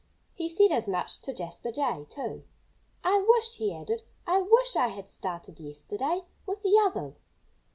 He said as much to Jasper Jay, too. "I wish " he added "I wish I had started yesterday, with the others."